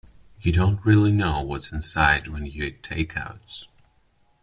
You don't really know what's inside when you eat takeouts.